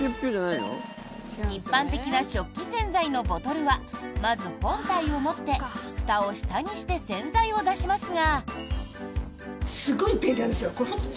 一般的な食器洗剤のボトルはまず本体を持ってふたを下にして洗剤を出しますが。